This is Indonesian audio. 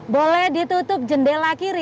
boleh ditutup jendela kiri